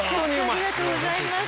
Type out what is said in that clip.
ありがとうございます。